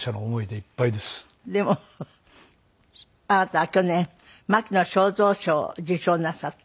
でもあなたは去年牧野省三賞を受賞なさって。